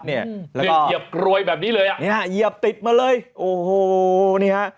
เหยียบกรวยแบบนี้เลยอ่ะเนี่ยเหยียบติดมาเลยโอ้โหนี่ฮะ